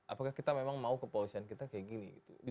apakah kita memang mau kepolisian kita kayak gini gitu